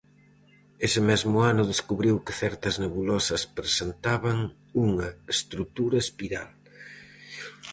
Ese mesmo ano descubriu que certas nebulosas presentaban unha estrutura espiral.